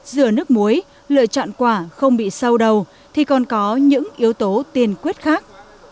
rửa nước muối lựa chọn quả không bị sâu đầu thì còn có những yếu tố tiền quyết khác